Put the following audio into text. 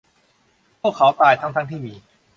พวกเขาตายทั้ง ๆ ที่มี